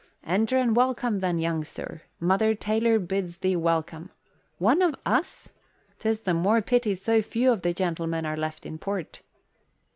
Enter and welcome, then, young sir. Mother Taylor bids thee welcome. One of us? 'Tis the more pity so few of the gentlemen are left in port."